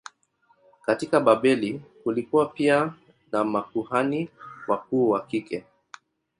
Katika Babeli kulikuwa pia na makuhani wakuu wa kike.